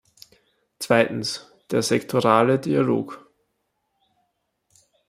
Zweitens der sektorale Dialog.